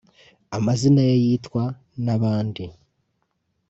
amazina ye yitwa n’abandi